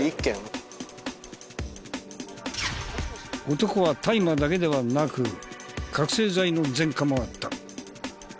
男は大麻だけではなく覚醒剤の前科もあった。